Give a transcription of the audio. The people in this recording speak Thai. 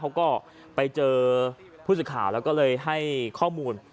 เขาก็ไปเจอผู้สื่อข่าวแล้วก็เลยให้ข้อมูล